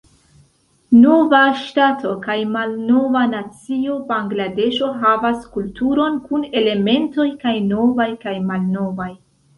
Nova ŝtato kaj malnova nacio, Bangladeŝo havas kulturon kun elementoj kaj novaj kaj malnovaj.